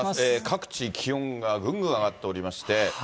各地、気温がぐんぐん上がっておりまして。